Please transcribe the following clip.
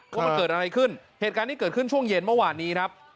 ว่ามันเกิดอะไรขึ้นเหตุการณ์ที่เกิดขึ้นช่วงเย็นเมื่อวานนี้ครับ